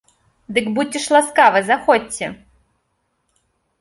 Дык будзьце ж ласкавы, заходзьце!